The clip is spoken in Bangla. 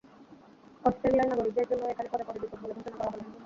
অস্ট্রেলিয়ার নাগরিকদের জন্যও এখানে পদে পদে বিপদ বলে ঘোষণা করা হলো।